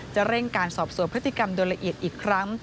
เร่งการสอบสวนพฤติกรรมโดยละเอียดอีกครั้ง